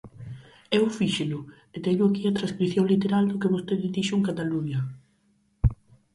Eu fíxeno, e teño aquí a transcrición literal do que vostede dixo en Cataluña.